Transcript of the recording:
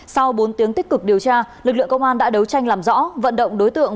sau bốn tiếng tích cực điều tra lực lượng công an đã đấu tranh làm rõ vận động đối tượng